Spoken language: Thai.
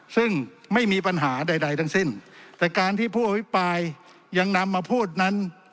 ซึ่งไม่มีปัญหาใดทั้งสิ้นแต่การที่ผู้อภิปรายยังนำมาพูดนั้น